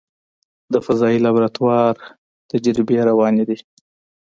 د فضایي لابراتوار تجربې روانې دي.